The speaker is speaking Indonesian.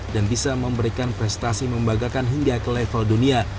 dan bisa memberikan prestasi membagakan hingga ke level dunia